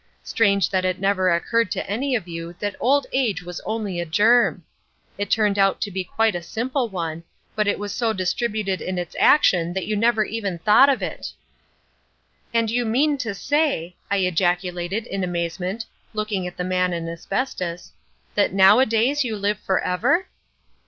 Strange that it never occurred to any of you that Old Age was only a germ! It turned out to be quite a simple one, but it was so distributed in its action that you never even thought of it." "And you mean to say," I ejaculated in amazement, looking at the Man in Asbestos, "that nowadays you live for ever?"